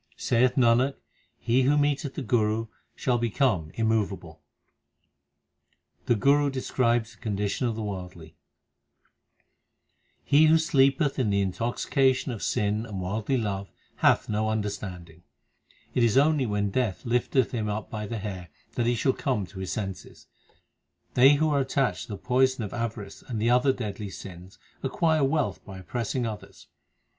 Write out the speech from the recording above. Saith Nanak, he who meeteth the Guru shall become immovable. 1 1 Shall not be subject to transmigration. HYMNS OF GURU ARJAN 313 The Guru describes the condition of the worldly : He who sleepeth in the intoxication of sin and worldly love hath no understanding. It is only when Death lifteth him up by the hair that he shall come to his senses. They who are attached to the poison of avarice and the other deadly sins acquire wealth by oppressing others.